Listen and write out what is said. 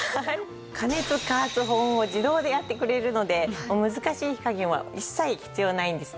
加熱加圧保温を自動でやってくれるので難しい火加減は一切必要ないんですね。